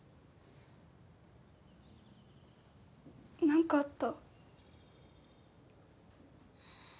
何かあった？